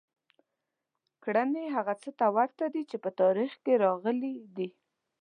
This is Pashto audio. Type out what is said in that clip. کړنې هغه څه ته ورته دي چې په تاریخ کې راغلي دي.